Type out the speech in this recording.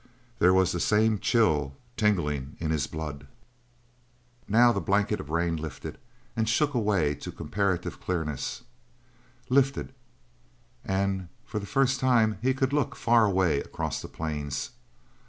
There was the same chill tingling in his blood. Now the blanket of rain lifted and shook away to comparative clearness lifted, and for the first time he could look far away across the plains.